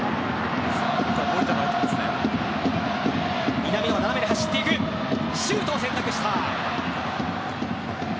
南野が斜めに走っていたがシュートを選択した。